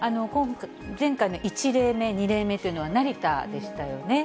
前回の１例目、２例目というのは成田でしたよね。